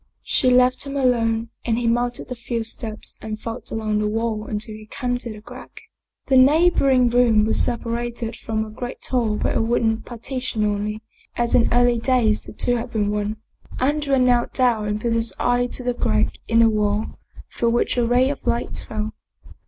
She left him alone and he mounted the few steps and felt along the wall until he came to the crack. The neigh boring room was separated from the great hall by a wooden partition only, as in earlier days the two had been one. Andrea knelt down and put his eye to the crack in the wall, through which a ray of light fell.